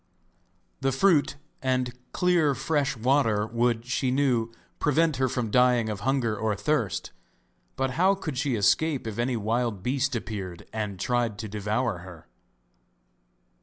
The fruit and clear fresh water would, she knew, prevent her from dying of hunger or thirst, but how could she escape if any wild beast appeared and tried to devour her?